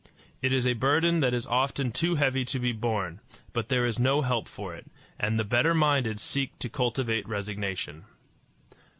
It is a burden that is often too heavy to be borne; but there is no help for it, and the better minded seek to cultivate resignation.